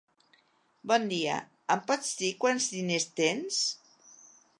Bon dia, em pots dir quants diners tens?